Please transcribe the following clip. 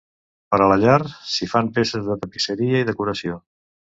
Per a la llar, s'hi fan peces de tapisseria i decoració.